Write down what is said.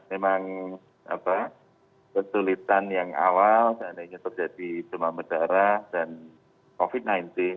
memang kesulitan yang awal seandainya terjadi demam berdarah dan covid sembilan belas